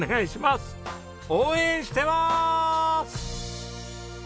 応援してます！